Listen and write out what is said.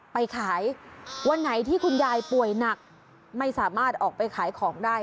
ไปขายวันไหนที่คุณยายป่วยหนักไม่สามารถออกไปขายของได้